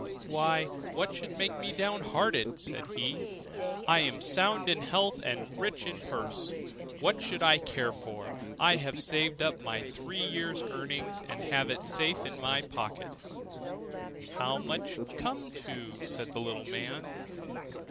'Why, what should make me down hearted?' said he; 'I am sound in health and rich in purse, what should I care for? I have saved up my three years' earnings and have it all safe in my pocket.' 'How much may it come to?' said the little man.